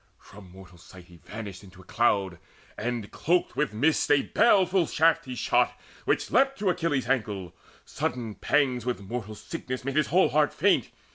From mortal sight he vanished into cloud, And cloaked with mist a baleful shaft he shot Which leapt to Achilles' ankle: sudden pangs With mortal sickness made his whole heart faint.